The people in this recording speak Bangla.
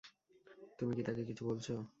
তুমি কি তাকে কিছু বলছো?